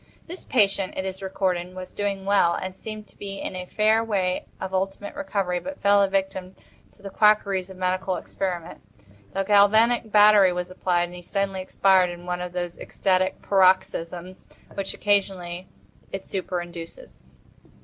This patient, it is recorded, was doing well and seemed to be in a fair way of ultimate recovery, but fell a victim to the quackeries of medical experiment. The galvanic battery was applied, and he suddenly expired in one of those ecstatic paroxysms which, occasionally, it superinduces.